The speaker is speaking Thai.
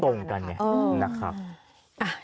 มันไม่ตรงกันเนี่ย